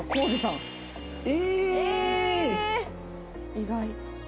意外。